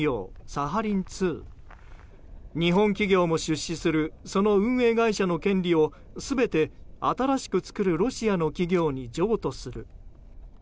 サハリン２。日本企業も出資するその運営会社の権利を全て、新しく作るロシアの企業に譲渡する。